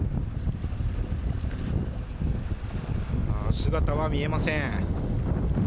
姿は見えません。